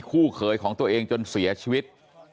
เขยของตัวเองจนเสียชีวิต